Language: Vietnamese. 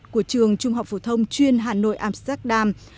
của trường trung học phổ thông chuyên hà nội amsterdam